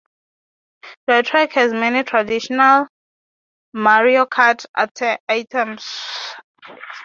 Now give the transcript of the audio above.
The track has many traditional "Mario Kart" items.